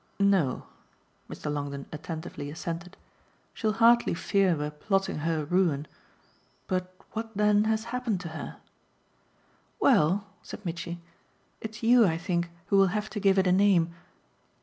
"No," Mr. Longdon attentively assented; "she'll hardly fear we're plotting her ruin. But what then has happened to her?" "Well," said Mitchy, "it's you, I think, who will have to give it a name.